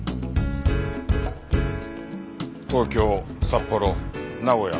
東京札幌名古屋